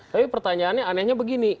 tapi pertanyaannya anehnya begini